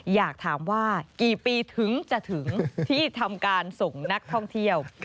อยากถามว่ากี่ปีถึงจะถึงที่ทำการส่งนักท่องเที่ยว